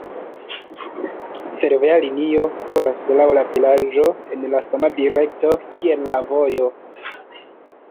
Fervoja linio kuras laŭ la vilaĝo en la sama direkto kiel la vojo.